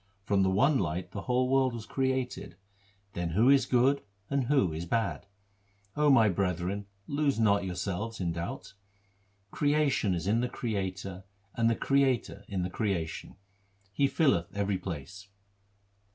From the one light the whole world was created ; then who is good and who is bad ? 0 my brethren, lose not yourselves in doubt. Creation is in the Creator, and the Creator in the creation ; He filleth every place.